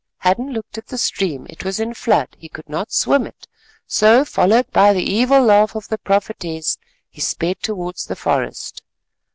Hadden looked at the stream; it was in flood. He could not swim it, so followed by the evil laugh of the prophetess, he sped towards the forest.